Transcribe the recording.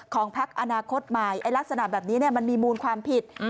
พักอนาคตใหม่ลักษณะแบบนี้มันมีมูลความผิด